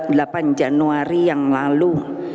pada tanggal delapan januari yang lalu